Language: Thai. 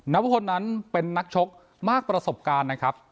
พลนั้นเป็นนักชกมากประสบการณ์นะครับ